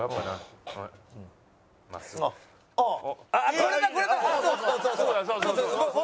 そうそう。